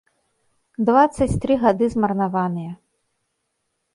Дваццаць тры гады змарнаваныя.